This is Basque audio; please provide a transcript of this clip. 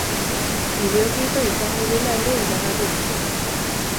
Bideoklipa izango dela ere iragarri dute.